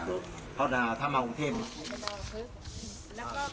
คุณบินก็พยายามให้กำลังใจชวนคุยสร้างเสียงหัวเราะค่ะ